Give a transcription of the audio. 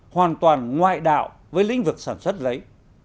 hoàn toàn ngoại đạo với lĩnh vực sản xuất giấy